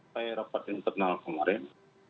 saya rapat internal kemarin